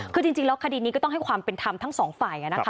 คือจริงแล้วคดีนี้ก็ต้องให้ความเป็นธรรมทั้งสองฝ่าย